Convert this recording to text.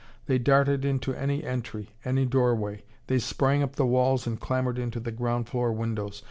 They darted into any entry, any doorway. They sprang up the walls and clambered into the ground floor windows.